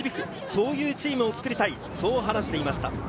そういうチームを作りたい、そう話していました。